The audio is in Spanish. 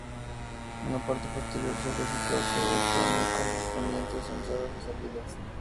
En la parte posterior suele situarse el panel con las correspondientes entradas y salidas.